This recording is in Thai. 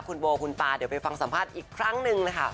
คุณโบคุณตาเดี๋ยวไปฟังสัมภาษณ์อีกครั้งหนึ่งนะคะ